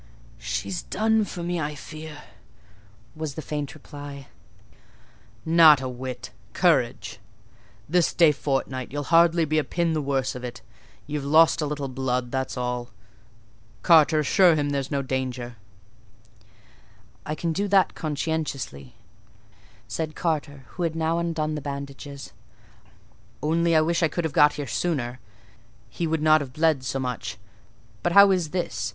"She's done for me, I fear," was the faint reply. "Not a whit!—courage! This day fortnight you'll hardly be a pin the worse of it: you've lost a little blood; that's all. Carter, assure him there's no danger." "I can do that conscientiously," said Carter, who had now undone the bandages; "only I wish I could have got here sooner: he would not have bled so much—but how is this?